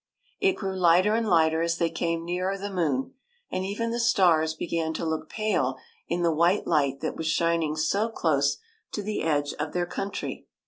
It grew lighter and lighter as they came nearer the moon, and even the stars began to look pale in the white light that was shining so close to the edge of their country.